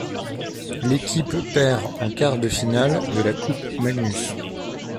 L'équipe perd en quart de finale de la Coupe Magnus.